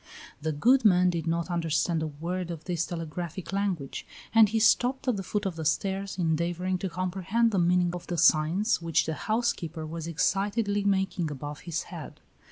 The good man did not understand a word of this telegraphic language, and he stopped at the foot of the stairs, endeavoring to comprehend the meaning of the signs which the housekeeper was excitedly making above his head.